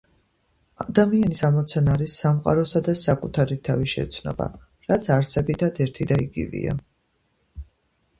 ადამიანის ამოცანა არის სამყაროსა და საკუთარი თავის შეცნობა, რაც არსებითად ერთი და იგივეა.